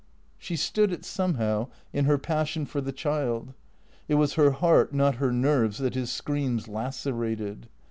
She stood it somehow, in her passion for the child. It was her heart, not her nerves, that his screams lacerated.